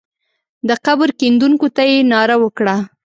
د قبر کیندونکو ته یې ناره وکړه.